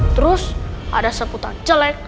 terus ada seputar jelek